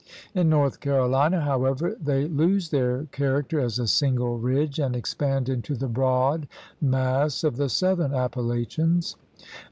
In North Carolina, however, they lose their character as a single ridge and expand into the broad mass of the southern x\ppalachians.